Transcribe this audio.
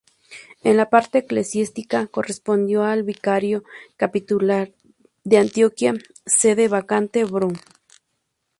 En la parte eclesiástica correspondió al Vicario Capitular de Antioquia, Sede vacante, Pbro.